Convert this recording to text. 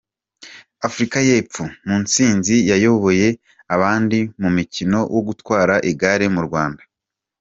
Afurika y’Epfo mutsinzi yayoboye abandi mumukino wo gutwara igare mu Rwanda